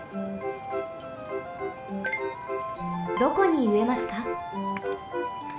どこにうえますか？